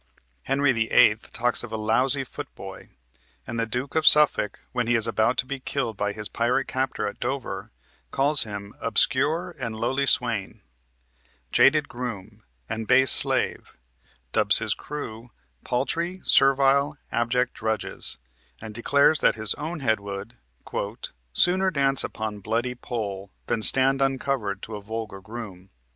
Henry VIII. talks of a "lousy footboy," and the Duke of Suffolk, when he is about to be killed by his pirate captor at Dover, calls him "obscure and lowly swain," "jaded groom," and "base slave," dubs his crew "paltry, servile, abject drudges," and declares that his own head would "sooner dance upon bloody pole Than stand uncovered to a vulgar groom."